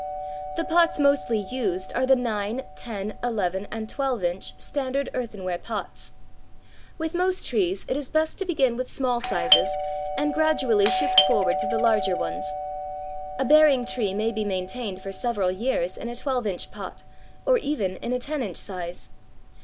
The pots mostly used are the nine, ten, eleven and twelve inch standard earthenware pots. With most trees it is best to begin with small sizes and gradually shift forward to the larger ones. A bearing tree may be maintained for several years in a twelve inch pot or even in a ten inch size.